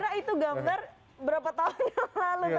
saya kira itu gambar berapa tahun yang lalu